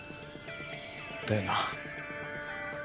だよな。